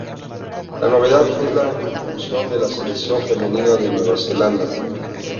La novedad es la inclusión de la Selección femenina de Nueva Zelanda.